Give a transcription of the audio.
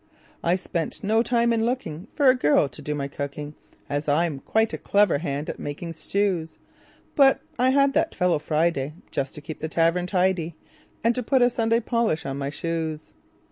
I spent no time in lookingFor a girl to do my cooking, As I'm quite a clever hand at making stews; But I had that fellow Friday, Just to keep the tavern tidy, And to put a Sunday polish on my shoes.